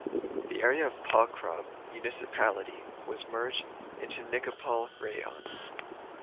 The area of Pokrov Municipality was merged into Nikopol Raion.